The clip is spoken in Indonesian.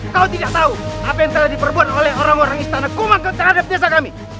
kau tidak tahu apa yang telah diperbuat oleh orang orang istana kuman ke tengah tengah penyiasat kami